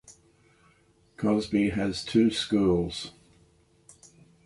Cosby has two schools.